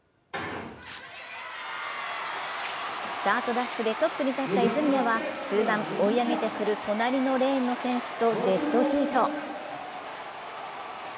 スタートダッシュでトップに立った泉谷は中盤追い上げてくる隣のレーンの選手とデッドヒート。